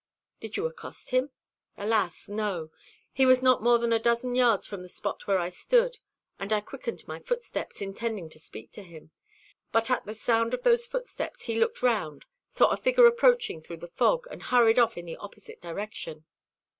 "Did you accost him?" "Alas, no! He was not more than a dozen yards from the spot where I stood, and I quickened my footsteps, intending to speak to him; but at the sound of those footsteps he looked round, saw a figure approaching through the fog, and hurried off in the opposite direction.